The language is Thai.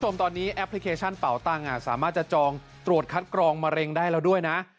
คุณผู้ชมตอนนี้แอปพลิเคชันเป่าตังค์สามารถจะจองตรวจคัดกรองมะเร็งได้แล้วด้วยนะ